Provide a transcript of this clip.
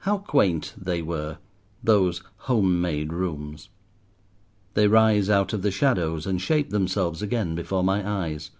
How quaint they were, those home made rooms! They rise out of the shadows and shape themselves again before my eyes.